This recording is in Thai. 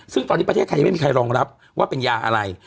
ซึ่งตอนนี้ประเทศไทยยังไม่มีใครรองรับว่าเป็นยาอะไร